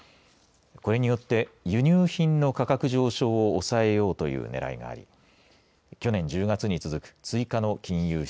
これによって輸入品の価格上昇を抑えようというねらいがあり去年１０月に続く追加の金融